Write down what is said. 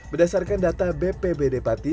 berdasarkan data bpbd pati